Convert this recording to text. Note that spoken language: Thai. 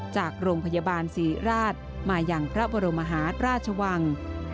จากโรงพยาบาลศรีราชมาอย่างพระบรมหาราชวัง